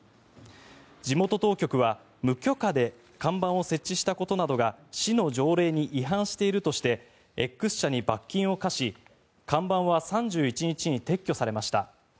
地元当局は、無許可で看板を設置したことなどが市の条例に違反しているとしてＸ社に罰金を科し看板は３１日に撤去されました。